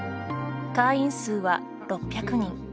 会員数は６００人。